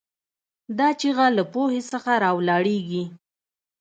دا چیغه له پوهې څخه راولاړېږي.